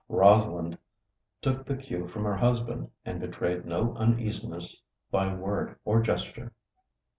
Rosalind took the cue from her husband, and betrayed no uneasiness by word or gesture.